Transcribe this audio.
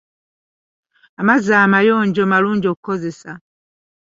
Amazzi amayonjo malungi okukozesa.